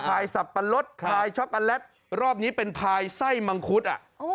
ภายสับปะรดภายช็อปปันแลตรอบนี้เป็นภายไส้มังคุดอ่ะโอ้